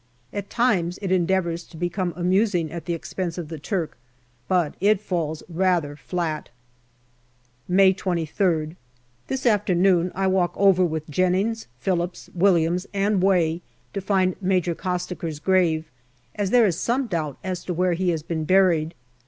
At times it endeavours to become amusing at the expense of the Turk, but it falls rather flat. May 23rd. This afternoon I walk over with Jennings, Phillips, Williams, and Way to find Major Costaker's grave, as there is some doubt as to where he has been buried.